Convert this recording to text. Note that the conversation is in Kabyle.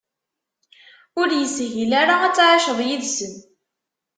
Ur yeshil ara ad tεiceḍ yid-sen.